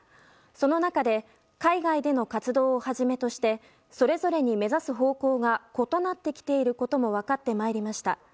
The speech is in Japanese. その中で海外での活動をはじめとしてそれぞれに目指す方向が異なってきていることも分かってまいりました。